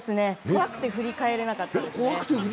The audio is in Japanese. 怖くて振り返れなかったですね。